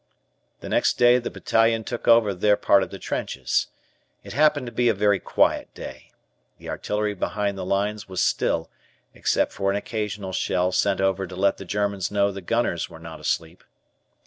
The next day the battalion took over their part of the trenches. It happened to be a very quiet day. The artillery behind the lines was still, except for an occasional shell sent over to let the Germans know the gunners were not asleep.